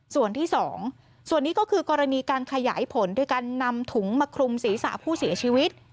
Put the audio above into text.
ส่วนที่สองส่วนนี้ก็คือกรณีการขยายผลด้วยการนำถุงมาคลุมศีรษะผู้เสียชีวิต